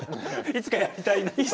いつかやりたいなと？